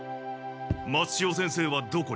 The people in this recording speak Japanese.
松千代先生はどこに？